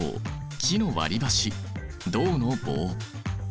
木の割りばし銅の棒。